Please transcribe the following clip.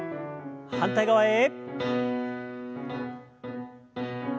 反対側へ。